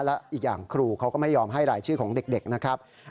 และอีกอย่างครูเขาก็ไม่ยอมให้รายชื่อของเด็กนะครับ